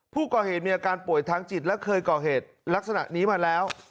ผู้ก่อเหตุมีอาการป่วยทางจิตและเคยก่อเหตุลักษณะนี้มาแล้ว